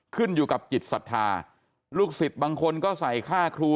ขึ้นอยู่กับจิตศรัทธาลูกศิษย์บางคนก็ใส่ค่าครู